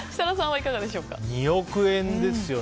２億円ですよね。